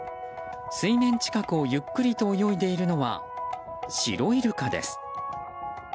水面近くをゆっくりと泳いでいるのはシロイルカです。